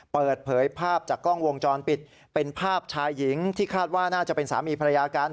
เปิดเผยภาพจากกล้องวงจรปิดเป็นภาพชายหญิงที่คาดว่าน่าจะเป็นสามีภรรยากัน